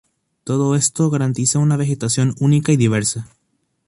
Todo esto garantiza una vegetación única y diversa.